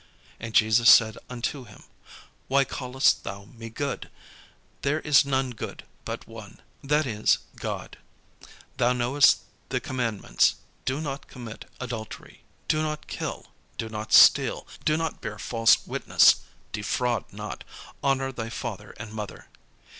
And Jesus said unto him, "Why callest thou me good? There is none good but one, that is, God. Thou knowest the commandments, 'Do not commit adultery,' 'Do not kill,' 'Do not steal,' 'Do not bear false witness,' 'Defraud not,' 'Honour thy father and mother.'"